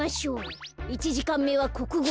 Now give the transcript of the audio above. １じかんめはこくご。